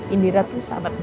indira itu sahabat mama